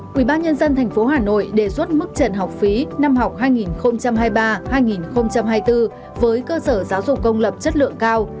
quỹ ban nhân dân tp hà nội đề xuất mức trần học phí năm học hai nghìn hai mươi ba hai nghìn hai mươi bốn với cơ sở giáo dục công lập chất lượng cao